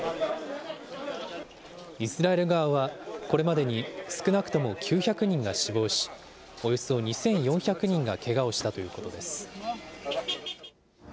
イスラエル側はこれまでに少なくとも９００人が死亡し、およそ２４００人がけがをしたということです。